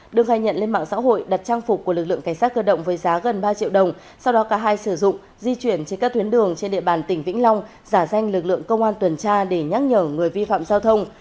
đương gai nhận lên mạng xã hội đặt trang phục của lực lượng cảnh sát cơ động với giá gần ba triệu đồng sau đó cả hai sử dụng di chuyển trên các tuyến đường trên địa bàn tỉnh vĩnh long giả danh lực lượng công an tuần tra để nhắc nhở người vi phạm giao thông